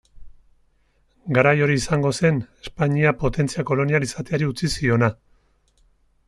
Garai hori izango zen Espainia potentzia kolonial izateari utziko ziona.